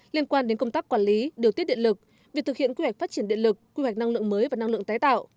liên quan đến công tác quản lý điều tiết điện lực việc thực hiện quy hoạch phát triển điện lực quy hoạch năng lượng mới và năng lượng tái tạo